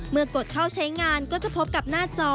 กดเข้าใช้งานก็จะพบกับหน้าจอ